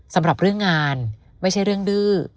สำหรับเรื่องงานไม่ใช่เรื่องดื้อ